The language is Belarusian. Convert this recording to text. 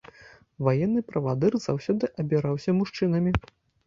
Ваенны правадыр заўсёды абіраўся мужчынамі.